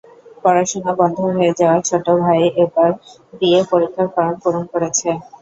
পড়াশোনা বন্ধ হয়ে যাওয়া ছোট ভাই এবার বিএ পরীক্ষার ফরম পূরণ করেছে।